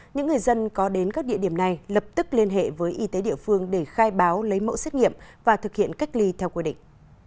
những người dân có đến các địa điểm này lập tức liên hệ với y tế địa phương để khai báo lấy mẫu xét nghiệm và thực hiện cách ly theo quy định